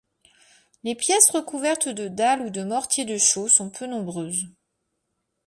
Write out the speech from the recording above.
Les pièces recouvertes de dalles ou de mortier de chaux sont peu nombreuses.